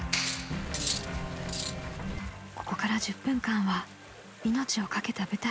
［ここから１０分間は命を懸けた舞台です］